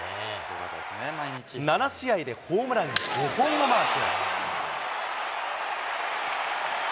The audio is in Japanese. ７試合でホームラン５本をマーク。